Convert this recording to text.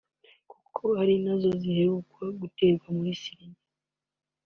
kuko ari nazo ziheruka guterwa muri Syria